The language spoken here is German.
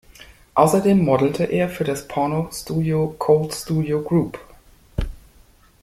Außerdem modelte er für das Porno-Studio Colt Studio Group.